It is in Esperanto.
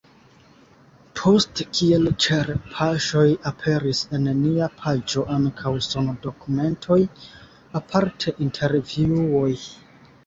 Poste kiel ĉerpaĵoj aperis en nia paĝo ankaŭ sondokumentoj, aparte intervjuoj.